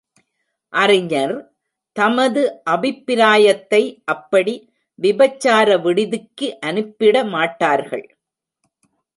அறிஞர், தமது அபிப்பிராயத்தை அப்படி விபச்சார விடுதிக்கு அனுப்பிட மாட்டார்கள்.